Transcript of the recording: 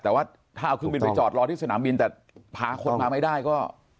แต่ว่าถ้าเอาเครื่องบินไปจอดรอที่สนามบินแต่พาคนมาไม่ได้ก็